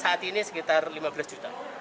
saat ini sekitar lima belas juta